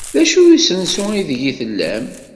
D acu n usensu aydeg tellam?